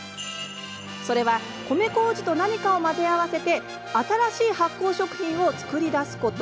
それは米こうじと何かを混ぜ合わせて新しい発酵食品を造り出すこと。